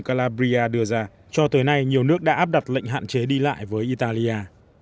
calabria đưa ra cho tới nay nhiều nước đã áp đặt lệnh hạn chế đi lại với italia